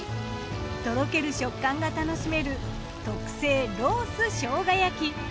とろける食感が楽しめる特製ロース生姜焼き。